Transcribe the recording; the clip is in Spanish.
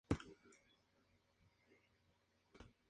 Está ubicado al sur de la ciudad de Schwerin, la capital del estado.